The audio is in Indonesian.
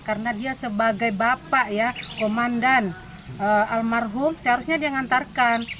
karena dia sebagai bapak ya komandan almarhum seharusnya diantarkan